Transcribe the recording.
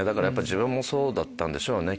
自分もそうだったんでしょうね